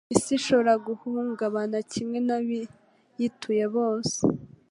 Isi ishobora guhungabana kimwe n’abayituye bose